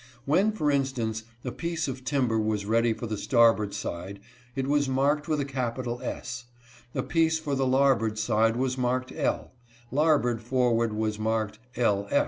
When, for instance, a piece of timber was ready for the starboard side, it was marked with a capital " S." A piece for the larboard side was marked " L." ; larboard forward was marked "L.